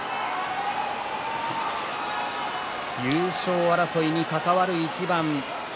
優勝争いに関わる一番。